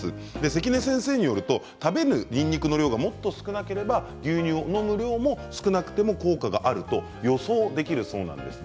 関根先生によると食べるにんにくの量がもっと少なければ牛乳を飲む量も少なくても効果があると予想できるそうなんです。